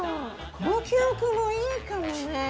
この記憶もいいかもね。